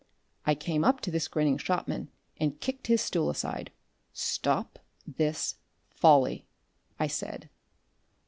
I came up to this grinning shopman and kicked his stool aside. "Stop this folly!" I said.